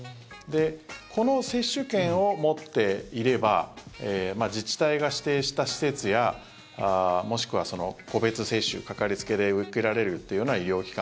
この接種券を持っていれば自治体が指定した施設やもしくは個別接種、かかりつけで受けられるというような医療機関